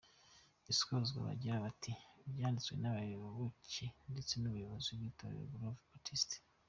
Isozwa bagira bati “Byanditswe n’abayoboke ndetse n’ubuyobozi bw’itorero Grove Baptist.